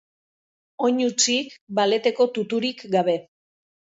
Oinutsik, baleteko tuturik gabe.